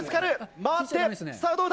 回って、さあどうだ。